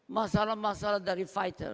masalah masalah dari fighter